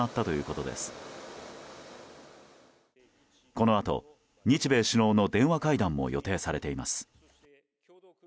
このあと日米首脳の電話会談も予定されています。